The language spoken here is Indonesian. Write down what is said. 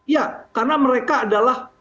ya karena mereka adalah